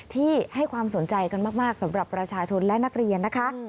ที่ให้ความสนใจกันมากสำหรับประชาชนและนักเรียนนะคะ